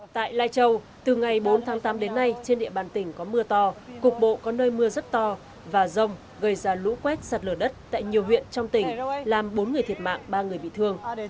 tại lai châu từ ngày bốn tháng tám đến nay trên địa bàn tỉnh có mưa to cục bộ có nơi mưa rất to và rông gây ra lũ quét sạt lở đất tại nhiều huyện trong tỉnh làm bốn người thiệt mạng ba người bị thương